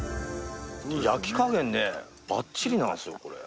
焼き加減ねバッチリなんですよこれ。